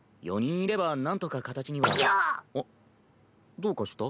どうかした？